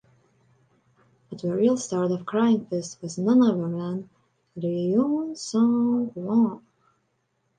But the real star of "Crying Fist" was none other than Ryoo Seung-wan.